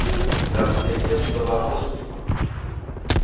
Ngakudekia vindo vapo suti kivijhe